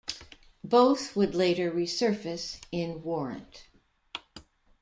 Both would later resurface in Warrant.